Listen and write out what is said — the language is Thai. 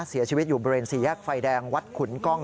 เสียชีวิตอยู่บริเวณสี่แยกไฟแดงวัดขุนกล้อง